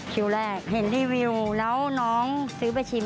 คิวแรกเห็นรีวิวแล้วน้องซื้อไปชิม